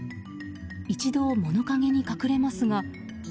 一度、物陰に隠れますが。